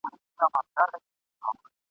ستا به هېر سوی یم خو زه دي هېرولای نه سم ..